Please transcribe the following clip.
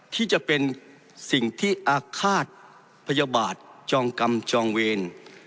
ที่จะเป็นสิ่งที่อาฆาตพยาบาทจองกรรมจองเวร